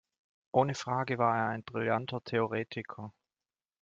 Ohne Frage war er ein brillanter Theoretiker.